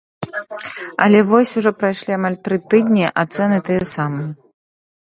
Але вось ужо прайшлі амаль тры тыдні, а цэны тыя самыя.